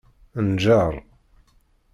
Nǧeṛ.